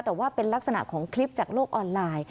แต่ว่าเป็นลักษณะของคลิปจากโลกออนไลน์